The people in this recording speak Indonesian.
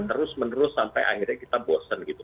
terus menerus sampai akhirnya kita bosen gitu